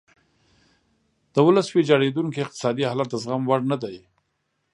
د ولس ویجاړیدونکی اقتصادي حالت د زغم وړ نه دی.